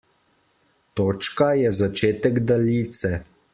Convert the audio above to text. Točka je začetek daljice.